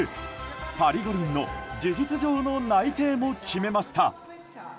パリ五輪の事実上の内定も決めました。